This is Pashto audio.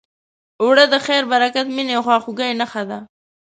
اوړه د خیر، برکت، مینې، خواخوږۍ نښه ده